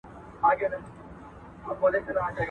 سياسي استازي بايد له خپلو رايه ورکوونکو سره اړيکي وساتي.